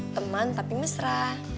teman tapi mesra